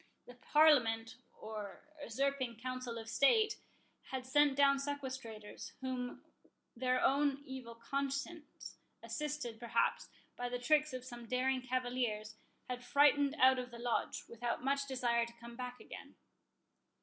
The Parliament, or usurping Council of State, had sent down sequestrators, whom their own evil conscience, assisted, perhaps, by the tricks of some daring cavaliers, had frightened out of the Lodge, without much desire to come back again.